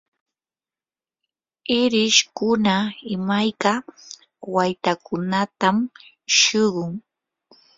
irishkuna imayka waytakunatam shuqun.